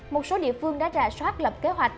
một số địa phương đã rà soát lập kế hoạch